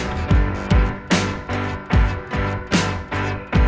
solat ini di mana pak